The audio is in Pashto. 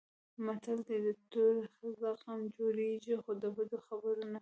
متل دی: د تورې زخم جوړېږي خو د بدې خبرې نه.